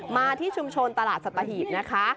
มาที่ชุมชนตลาดสัตหีบนะคะ